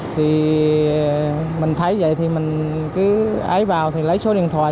thì mình thấy vậy thì mình cứ ái vào thì lấy số điện thoại